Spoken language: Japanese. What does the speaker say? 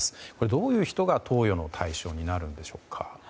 どういう人が投与の対象になるのでしょうか。